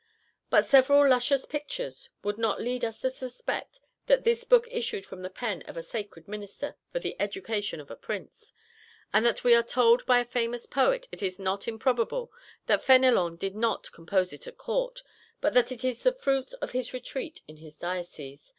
But several luscious pictures would not lead us to suspect that this book issued from the pen of a sacred minister for the education of a prince; and what we are told by a famous poet is not improbable, that Fénélon did not compose it at Court, but that it is the fruits of his retreat in his diocese.